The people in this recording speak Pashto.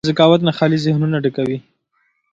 استاد د ذکاوت نه خالي ذهنونه ډکوي.